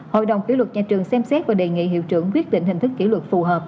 hội đồng kỷ luật nhà trường xem xét và đề nghị hiệu trưởng quyết định hình thức kỷ luật phù hợp